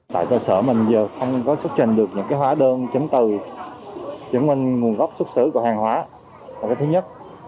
tại cơ sở mình giờ không có xuất trình được những hóa đơn chứng từ chứng minh nguồn gốc xuất xứ của hàng hóa là cái thứ nhất